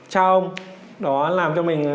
cha ông đó làm cho mình